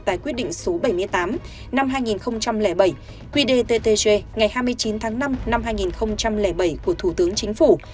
tại quyết định số bảy mươi tám năm hai nghìn bảy quy đề ttg ngày hai mươi chín tháng năm năm hai nghìn bảy của thủ tướng chính phủ